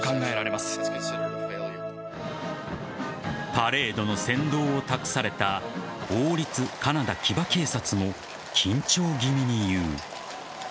パレードの先導を託された王立カナダ騎馬警察も緊張気味に言う。